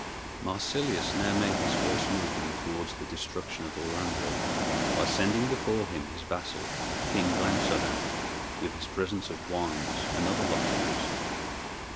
Marsilius now made his first movement towards the destruction of Orlando, by sending before him his vassal, King Blanchardin, with his presents of wines and other luxuries.